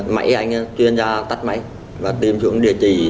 mấy anh chuyên gia tắt máy và tìm xuống địa chỉ